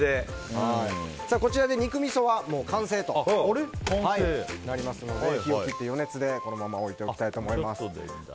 こちらで肉みそはもう完成となりますので火を切って余熱でこのまま置いておきたいと思います。